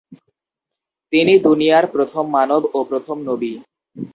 তিনি দুনিয়ার প্রথম মানব ও প্রথম নবী।